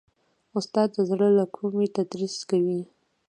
استاد د زړه له کومي تدریس کوي.